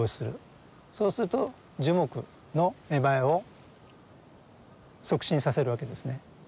そうすると樹木の芽生えを促進させるわけですね。